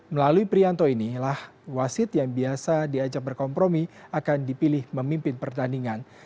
melalui prianto inilah wasit yang biasa diajak berkompromi akan dipilih memimpin pertandingan